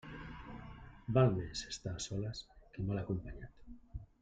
Val més estar a soles que mal acompanyat.